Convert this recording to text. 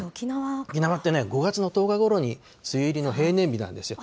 沖縄ってね、５月の１０日ごろに梅雨入りの平年日なんですよ。